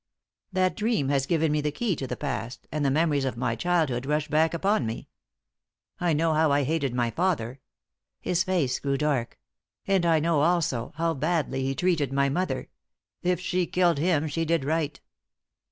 That dream has given me the key to the past, and the memories of my childhood rush back upon me. I know how I hated my father" his face grew dark "and I know, also, how badly he treated my mother. If she killed him, she did right."